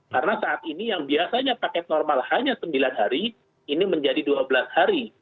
karena saat ini yang biasanya paket normal hanya sembilan hari ini menjadi dua belas hari